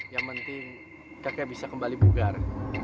yang penting kakek bisa kembali bugar